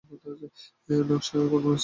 নকশা যে কোনো স্তরের হতে পারে।